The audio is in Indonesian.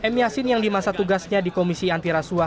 m yassin yang di masa tugasnya di komisi antirasuah